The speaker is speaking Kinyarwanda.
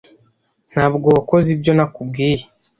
Ntabwo wakoze ibyo nakubwiye